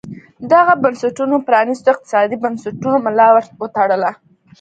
دغو بنسټونو پرانیستو اقتصادي بنسټونو ملا ور وتړله.